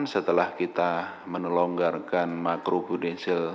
setelah kita menelonggarkan makro budicial